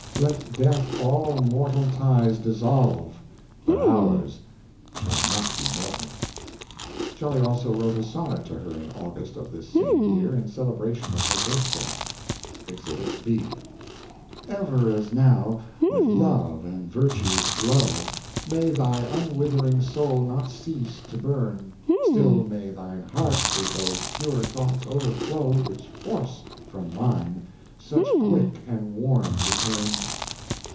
let death all mortal ties dissolve, But ours shall not be mortal." Shelley also wrote a sonnet to her in August of this same year in celebration of her birthday: Exhibit B "Ever as now with Love and Virtue's glow May thy unwithering soul not cease to burn, Still may thine heart with those pure thoughts o'erflow Which force from mine such quick and warm return."